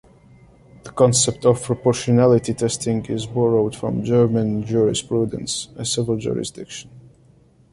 The concept of proportionality testing is borrowed from German jurisprudence (a civil jurisdiction).